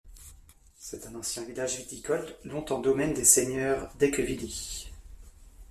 C'est un ancien village viticole, longtemps domaine des seigneurs d'Ecquevilly.